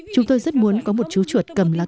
chúng tôi rất muốn có một chú chuột cầm lạc